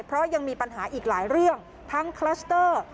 เพราะยังมีปัญหาอีกหลายเรื่องทั้งคลัสเตอร์